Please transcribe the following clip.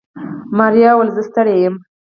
ماريا وويل زه ستړې يم.